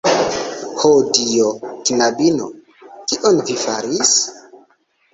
Ho Dio, knabino, kion vi faris!?